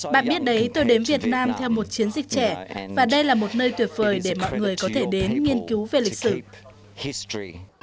bạn biết đấy tôi đến việt nam theo một chiến dịch trẻ và đây là một nơi tuyệt vời để mọi người có thể đến nghiên cứu về lịch sử